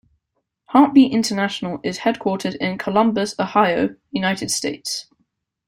Heartbeat International is headquartered in Columbus, Ohio, United States.